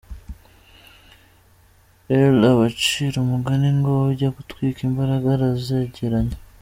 L abacira umugani ngo “ujya gutwika imbagara arazegeranya.